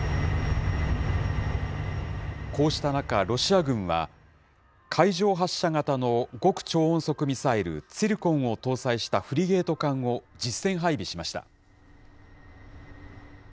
こうした中、ロシア軍は、海上発射型の極超音速ミサイル、ツィルコンを搭載したフリゲート艦を実戦配備しました。